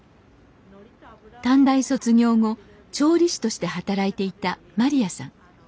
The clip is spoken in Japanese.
短大卒業後調理師として働いていたまりやさん。